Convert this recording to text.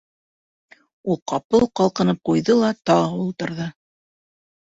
Ул ҡапыл ҡалҡынып ҡуйҙы ла, тағы ултырҙы.